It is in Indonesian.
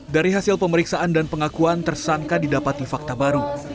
dari hasil pemeriksaan dan pengakuan tersangka didapati fakta baru